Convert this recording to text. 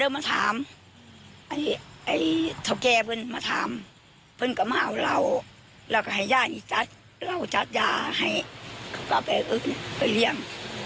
เราจัดยาให้เขากลับไปเอาไปเลี่ยง